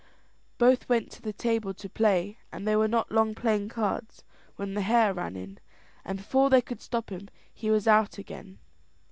Both went to the table to play, and they were not long playing cards when the hare ran in; and before they could stop him he was out again.